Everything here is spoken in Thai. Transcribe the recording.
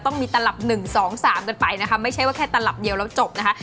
ต้องมีตลับ๑๒๓กันไปนะคะไม่ใช่ว่าแค่ตลับเดียวแล้วจบนะคะ